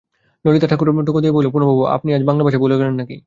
ললিতা ঠোকর দিয়া কহিল, পানুবাবু, আপনি আজ বাংলা ভাষা ভুলে গেলেন নাকি?